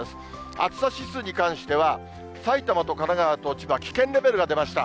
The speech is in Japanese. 暑さ指数に関しては、埼玉と神奈川と千葉、危険レベルが出ました。